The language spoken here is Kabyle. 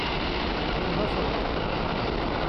Ɣas ruḥ!